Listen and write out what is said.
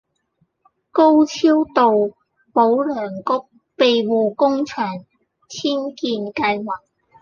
高超道保良局庇護工場遷建計劃